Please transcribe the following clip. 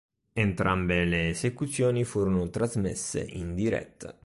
Entrambe le esecuzioni furono trasmesse in diretta.